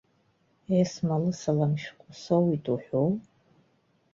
Есма лысалам шәҟәы соуит уҳәоу?